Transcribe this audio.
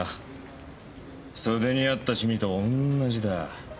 袖にあったシミと同じだ。